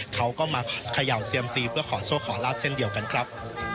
เขาก็มาเขย่าเซียมซีเพื่อขอโชคขอลาบเช่นเดียวกันครับ